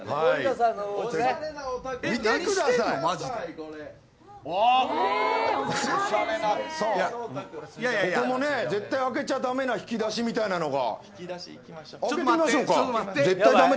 ここも絶対開けちゃダメな引き出しみたいなのが。